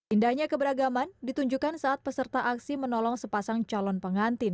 indahnya keberagaman ditunjukkan saat peserta aksi menolong sepasang calon pengantin